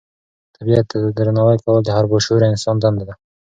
طبیعت ته درناوی کول د هر با شعوره انسان دنده ده.